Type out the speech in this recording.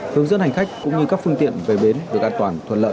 hướng dẫn hành khách cũng như các phương tiện về bến được an toàn thuận lợi